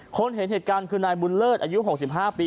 เห็นเหตุการณ์คือนายบุญเลิศอายุ๖๕ปี